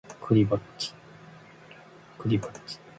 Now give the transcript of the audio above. クリぼっち